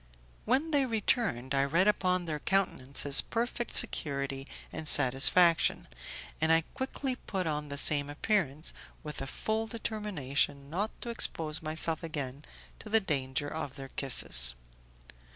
When they returned, I read upon their countenances perfect security and satisfaction, and I quickly put on the same appearance, with a full determination not to expose myself again to the danger of their kisses.